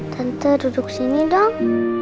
tante duduk sini dong